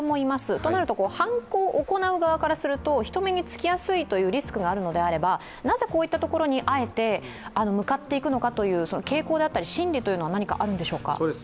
となると犯行を行う側からすると人目につきやすいリスクがあるのであればなぜこういったところにあえて向かって行くのかという傾向であったり、心理というのは何かあるんでしょうか？